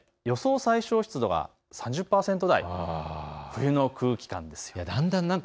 最小湿度が３０％台、冬の空気感です。